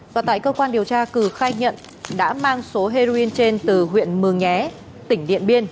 và tại cơ quan điều tra cử khai nhận đã mang số heroin trên từ huyện mường nhé tỉnh điện biên